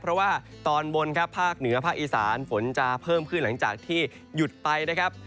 เพราะว่าตอนบนครับภาคเหนือภาคอีสานฝนจะเพิ่มขึ้นหลังจากที่หยุดไปนะครับ